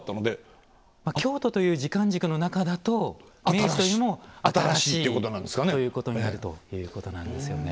京都という時間軸の中だと明治といえども新しいということになるということなんですよね。